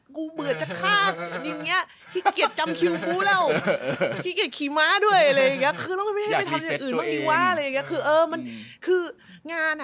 กูเบื่อจะฆ่า